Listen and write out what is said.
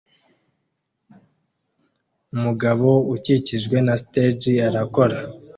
Umugabo ukikijwe na stage arakora